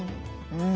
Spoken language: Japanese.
うん。